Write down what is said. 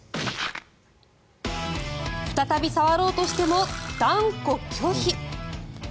再び触ろうとしても断固拒否。